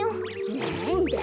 なんだ。